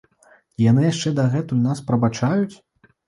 І яны яшчэ дагэтуль нас прабачаюць?